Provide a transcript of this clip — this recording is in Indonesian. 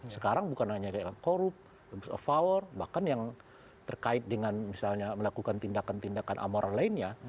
sekarang bukan hanya korup abuse of power bahkan yang terkait dengan misalnya melakukan tindakan tindakan amoral lainnya